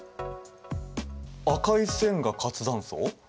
赤い線が活断層？